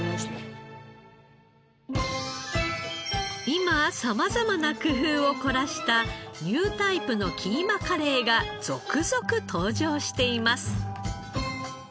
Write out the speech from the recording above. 今様々な工夫を凝らしたニュータイプのキーマカレーが続々登場しています。